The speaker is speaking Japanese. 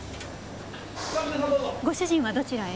ご主人はどちらへ？